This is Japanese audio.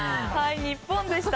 日本でした。